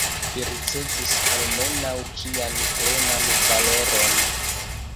Vi ricevos almenaŭ ĝian plenan valoron.